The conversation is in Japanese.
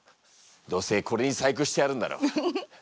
どうせこれに細工してあるんだろ。